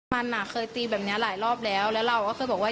มันอ่ะเคยตีแบบนี้หลายรอบแล้วแล้วเราก็เคยบอกว่า